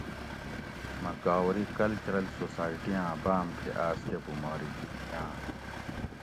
مہۤ گاؤری کلچرل سوسائٹی آۤں بام تھی آۤس کہۤ بُمارِکی دیاۤںت